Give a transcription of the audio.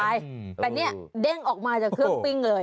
อะไรก็หวัดไปแต่นี่เด้งออกมาจากเครื่องปิ้งเลย